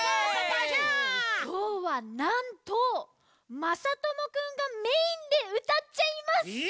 きょうはなんとまさともくんがメインでうたっちゃいます！え！